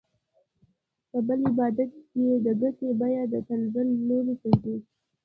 په بل عبارت د ګټې بیه د تنزل لوري ته ځي